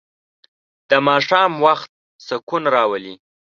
د ماښام وخت سکون راولي.